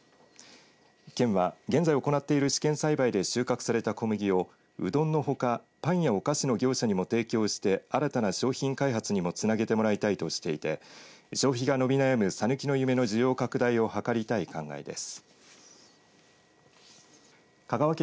県は現在行っている試験栽培で収穫された小麦をうどんのほかパンやお菓子の業者にも提供して新たな商品開発にもつなげてもらいたいとしていて消費が伸び悩むさぬきの夢の需要拡大を図りたい考えです。